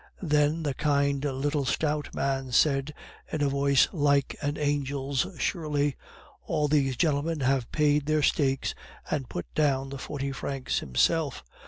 Then the kind little stout man said, in a voice like an angel's surely, 'All these gentlemen have paid their stakes,' and put down the forty francs himself.